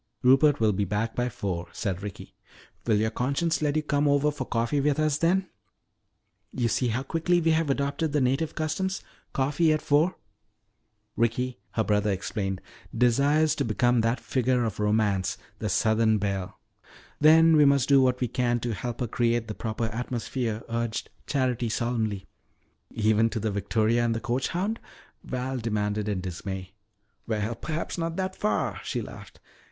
"Rupert will be back by four," said Ricky. "Will your conscience let you come over for coffee with us then? You see how quickly we have adopted the native customs coffee at four." "Ricky," her brother explained, "desires to become that figure of Romance the southern belle." "Then we must do what we can to help her create the proper atmosphere," urged Charity solemnly. "Even to the victoria and the coach hound?" Val demanded in dismay. "Well, perhaps not that far," she laughed.